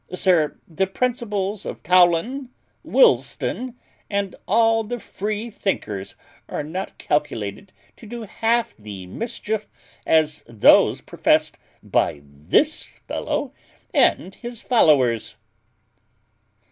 Sir, the principles of Toland, Woolston, and all the freethinkers, are not calculated to do half the mischief, as those professed by this fellow and his followers."